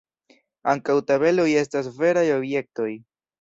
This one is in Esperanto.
Ankaŭ tabeloj estas veraj objektoj.